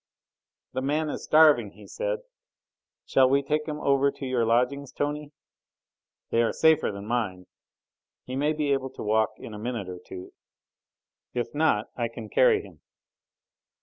"The man is starving," he said. "Shall we take him over to your lodgings, Tony? They are safer than mine. He may be able to walk in a minute or two, if not I can carry him."